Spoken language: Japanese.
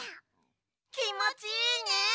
きもちいいね！